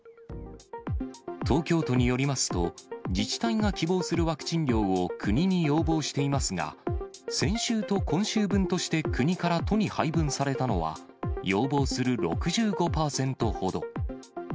東京都によりますと、自治体が希望するワクチン量を国に要望していますが、先週と今週分として国から都に配分されたのは、要望する６５％ほど。